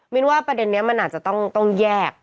นว่าประเด็นนี้มันอาจจะต้องแยก